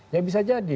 ya bisa jadi